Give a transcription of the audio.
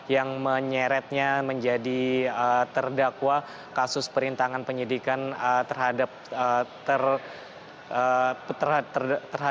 yang menyeretnya menjadi terdakwa kasus perintangan penyidikan terhadap